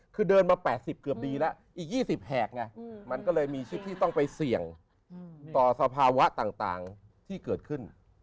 คือเดินมา๘๐เกือบดีแล้วอีก๒๐แหกไงมันก็เลยมีชิปที่ต้องไปเสี่ยงต่อสภาวะต่างที่เกิดขึ้น